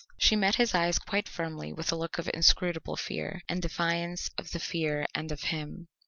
She met his eyes quite firmly with a look of inscrutable fear, and defiance of the fear and of him.